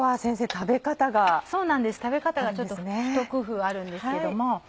食べ方がちょっとひと工夫あるんですけども。